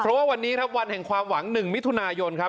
เพราะว่าวันนี้ครับวันแห่งความหวัง๑มิถุนายนครับ